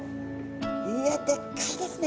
いやでっかいですね。